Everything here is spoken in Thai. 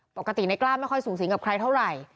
ปกติในกล้าไม่ค่อยสูงสิงกับใครเท่าไหร่